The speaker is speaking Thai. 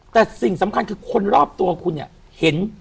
แต่สิ่งสำคัญคือคนรอบตัวคุณเนี่ยเห็น